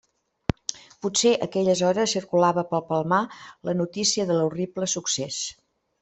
Potser a aquelles hores circulava pel Palmar la notícia de l'horrible succés.